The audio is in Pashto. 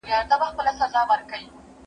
د زمان د خزانونو له شامته